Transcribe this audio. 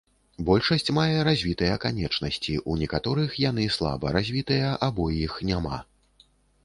Большасць мае развітыя канечнасці, у некаторых яны слаба развітыя або іх няма.